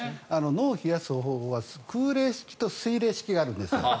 脳を冷やす方法は空冷式と水冷式があるんです。